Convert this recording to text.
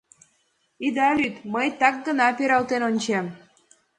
— Ида лӱд, мый так гына пералтен ончем.